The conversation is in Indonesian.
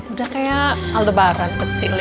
udah kayak aldebaran kecil ya